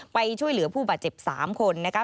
ไปช่วยเหลือผู้บาดเจ็บ๓คนนะคะ